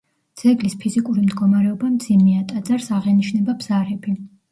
ძეგლის ფიზიკური მდგომარეობა მძიმეა, ტაძარს აღენიშნება ბზარები.